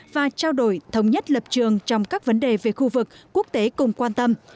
và trao đổi thống nhất lập trường trong các vấn đề về khu vực quốc tế cùng quan tâm